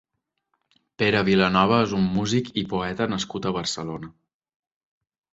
Pere Vilanova és un músic i poeta nascut a Barcelona.